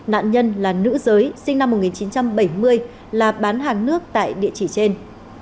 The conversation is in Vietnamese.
nạn nhân là nữ giới sinh năm một nghìn chín trăm bảy mươi là bán hàng nước tại địa chỉ trên